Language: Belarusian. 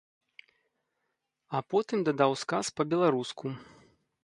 А потым дадаў сказ па-беларуску.